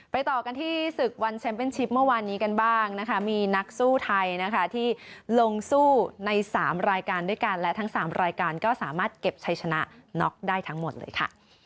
ต่อกันที่ศึกวันแชมป์เป็นชิปเมื่อวานนี้กันบ้างนะคะมีนักสู้ไทยนะคะที่ลงสู้ใน๓รายการด้วยกันและทั้ง๓รายการก็สามารถเก็บชัยชนะน็อกได้ทั้งหมดเลยค่ะ